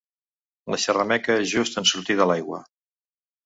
La xerrameca just en sortir de l'aigua.